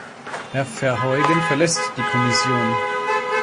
Herr Verheugen verlässt die Kommission.